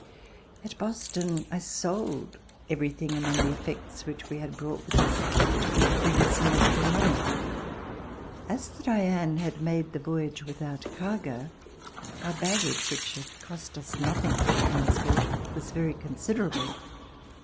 At Boston I sold everything among the effects which we had brought with us which could bring us in a little money. As the ''Diane" had made the voyage without cargo, our baggage, which had cost us nothing to transport, was very considerable.